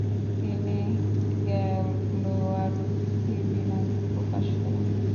তিনি গ্যালোয়ার থিওরি নামে প্রকাশ করেন।